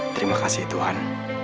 terima kasih tuhan